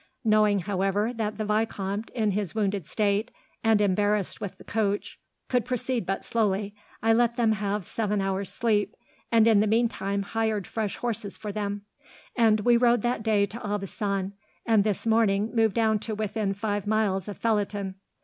Knowing, however, that the vicomte, in his wounded state, and embarrassed with the coach, could proceed but slowly, I let them have seven hours' sleep, and in the meantime hired fresh horses for them; and we rode that day to Aubusson, and this morning moved down to within five miles of Felletin.